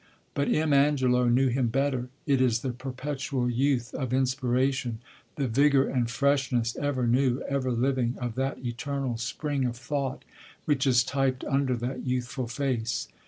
But M. Angelo knew him better; it is the perpetual youth of inspiration, the vigour and freshness, ever new, ever living, of that eternal spring of thought which is typed under that youthful face.